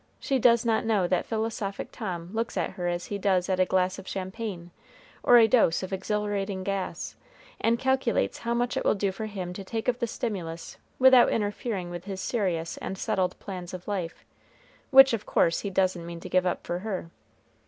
She does not know that philosophic Tom looks at her as he does at a glass of champagne, or a dose of exhilarating gas, and calculates how much it will do for him to take of the stimulus without interfering with his serious and settled plans of life, which, of course, he doesn't mean to give up for her.